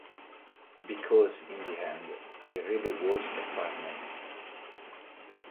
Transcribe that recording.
Because in the end I really was a partner.